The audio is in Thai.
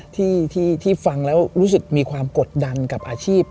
ที่ฟังแล้วรู้สึกมีความกดดันกับอาชีพ